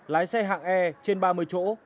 lái xe hạng e trên ba mươi chỗ